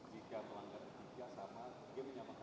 jika melanggar ketika sama dia menyamakan